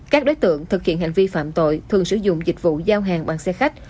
các đối tượng thực hiện hành vi phạm tội thường sử dụng dịch vụ giao hàng bằng xe khách